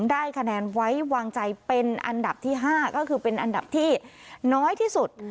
ได้คะแนนไว้วางใจเป็นอันดับที่๕ก็คือเป็นอันดับที่น้อยที่สุด